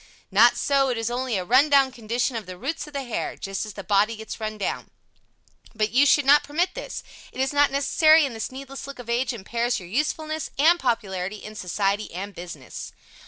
Not so, it is only a run down condition of the roots of the hair just as the body gets run down. But you should not permit this. It is not necessary and this needless look of age impairs your usefulness and popularity in society and business.